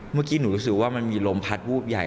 เมื่อกี้หนูรู้สึกว่ามันมีลมพัดวูบใหญ่